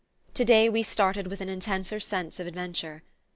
Today we started with an intenser sense of adventure.